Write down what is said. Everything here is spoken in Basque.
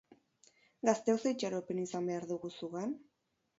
Gazteok ze itxaropen izan behar dugu zugan?